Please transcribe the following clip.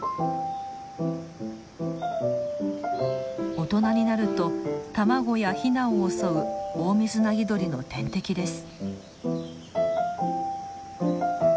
大人になると卵やヒナを襲うオオミズナギドリの天敵です。